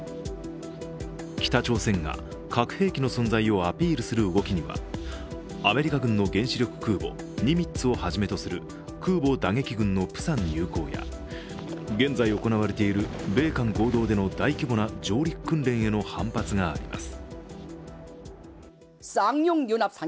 北朝鮮が核兵器の存在をアピールする動きには、アメリカ軍の原子力空母「ニミッツ」をはじめとする空母打撃群のプサン入港や現在行われている米韓合同での大規模な上陸訓練への反発があります。